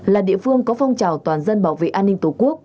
là địa phương có phong trào toàn dân bảo vệ an ninh tổ quốc